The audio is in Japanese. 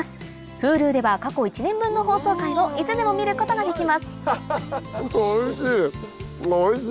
Ｈｕｌｕでは過去１年分の放送回をいつでも見ることができますおいしい！